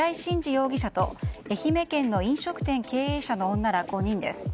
容疑者と愛媛県の飲食店経営者の女ら５人です。